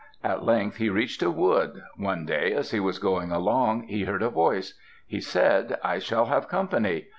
At length he reached a wood. One day, as he was going along, he heard a voice. He said, "I shall have company."